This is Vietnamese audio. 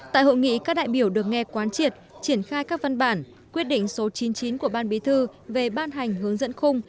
tại hội nghị các đại biểu được nghe quán triệt triển khai các văn bản quyết định số chín mươi chín của ban bí thư về ban hành hướng dẫn khung